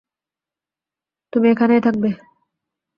তুমি এখানেই থাকবে!